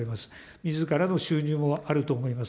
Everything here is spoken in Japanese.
みずからの収入もあると思います。